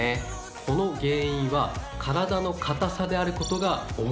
この原因は体のかたさであることが多いです。